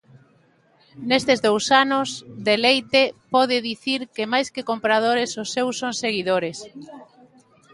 Nestes dous anos, Deleite pode dicir que máis que compradores os seus son seguidores.